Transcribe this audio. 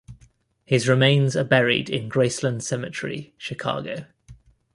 His remains are buried in Graceland Cemetery, Chicago.